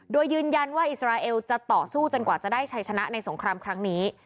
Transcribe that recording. โดยยืนยันว่าอิสราเอลจะต่อสู้จนกว่าจะได้ชัยชนะในสงครามครั้งนี้